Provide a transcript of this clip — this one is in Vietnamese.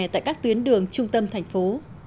tại các tuyến đường trung tâm thành phố